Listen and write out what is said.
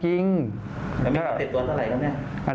มันติดตัวเท่าไหร่ครับเนี่ยะ